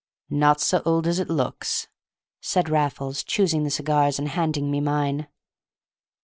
"Not so old as it looks," said Raffles, choosing the cigars and handing me mine.